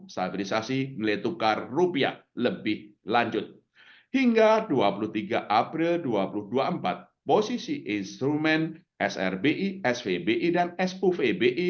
stabilisasi nilai tukar rupiah lebih lanjut hingga dua puluh tiga april dua ribu dua puluh empat posisi instrumen srbi svbi dan suvbi